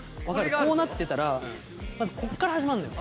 こうなってたらまずこっから始まんのよ。